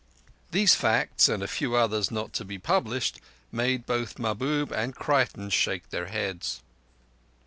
These facts, and a few others not to be published, made both Mahbub and Creighton shake their heads.